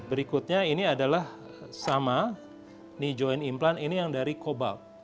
berikutnya ini adalah sama ini join implan ini yang dari kobalt